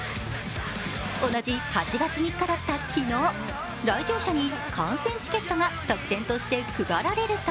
同じ８月３日だった昨日、来場者に観戦チケットが特典として配られると